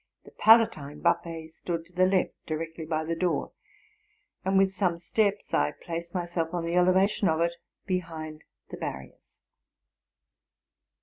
The Palatine buffet stood to the left, directly by the door; and with some steps I placed myself on the elevation of it, behind the barriers.